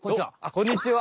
こんにちは。